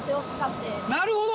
なるほど！